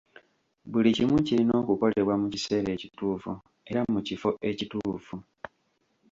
Buli kimu kirina okukolebwa mu kiseera ekituufu era mu kifo ekituufu.